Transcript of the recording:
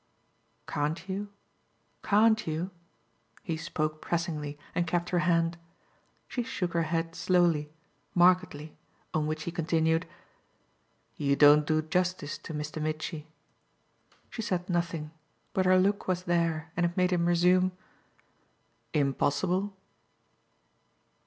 "Can't you, CAN'T you?" He spoke pressingly and kept her hand. She shook her head slowly, markedly; on which he continued: "You don't do justice to Mr. Mitchy." She said nothing, but her look was there and it made him resume: "Impossible?"